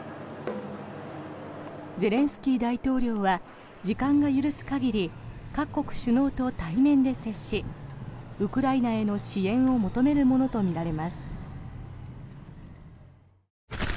ゼレンスキー大統領は時間が許す限り各国首脳と対面で接しウクライナへの支援を求めるものとみられます。